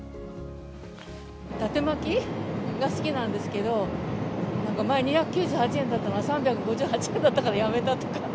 だて巻きが好きなんですけど、前２９８円だったのが３５８円だったからやめたとか。